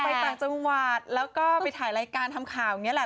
ไปต่างจังหวัดแล้วก็ไปถ่ายรายการทำข่าวอย่างนี้แหละ